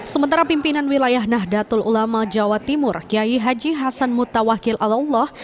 sementara pimpinan wilayah nahdlatul ulama jawa timur kiai haji hasan mutawakil allah